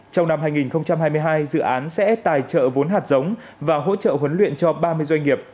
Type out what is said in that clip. trong năm hai nghìn hai mươi hai dự án sẽ tài trợ vốn hạt giống và hỗ trợ huấn luyện cho ba mươi doanh nghiệp